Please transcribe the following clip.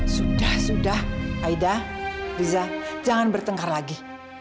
sudah sudah aida riza jangan bertengkar lagi